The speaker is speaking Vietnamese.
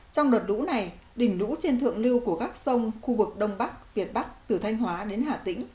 trong đợt lũ này đỉnh lũ trên thượng lưu của các sông khu vực đông bắc việt bắc từ thanh hóa đến hà tĩnh